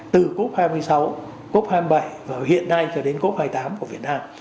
từ cốc hai mươi sáu cốc hai mươi bảy và hiện nay cho đến cốc hai mươi tám của việt nam